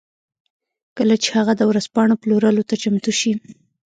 کله چې هغه د ورځپاڼو پلورلو ته چمتو شي